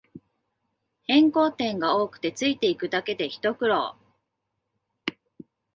変更点が多くてついていくだけでひと苦労